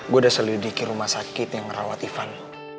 gue udah selidiki rumah sakit yang merawat ivan